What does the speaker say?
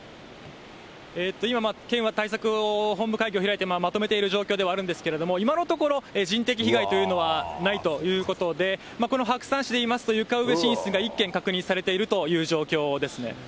今、県は対策本部会議を開いてまとめている状況ではあるんですけれども、今のところ、人的被害というのはないということで、この白山市で言いますと、床上浸水が１軒確認されているという状況ですね。